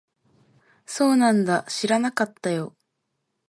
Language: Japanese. そうなんだ。知らなかったよ。